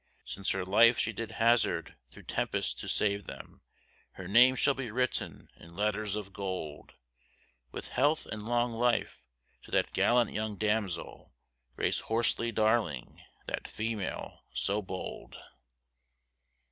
Since her life she did hazard through tempests to save them Her name shall be written in letters of gold, With health and long life to that gallant young damsel, Grace Horsely Darling that female so bold.